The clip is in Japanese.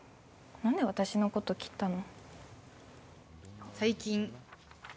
何で私のこと切ったの？